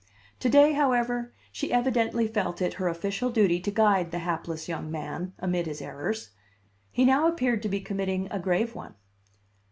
To day, however, she evidently felt it her official duty to guide the hapless young, man amid his errors. He now appeared to be committing a grave one.